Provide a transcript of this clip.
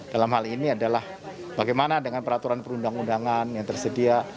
dalam hal ini adalah bagaimana dengan peraturan perundang undangan yang tersedia